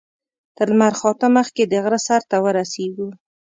تر لمر خاته مخکې د غره سر ته ورسېږو.